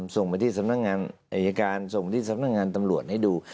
ส่งไปที่สำนักงานอายการส่งที่สำนักงานตำรวจให้ดู